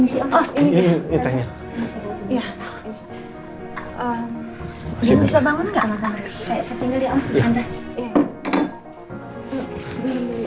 saya tinggal ya om